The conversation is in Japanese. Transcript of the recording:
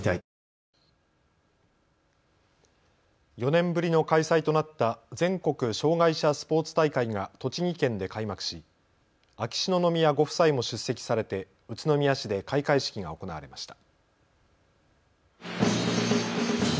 ４年ぶりの開催となった全国障害者スポーツ大会が栃木県で開幕し秋篠宮ご夫妻も出席されて宇都宮市で開会式が行われました。